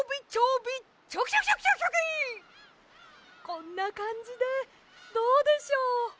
こんなかんじでどうでしょう？